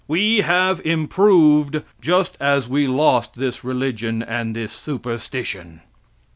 We have improved just as we lost this religion and this superstition.